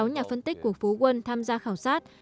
một mươi sáu nhà phân tích của phú quân tham gia khảo sát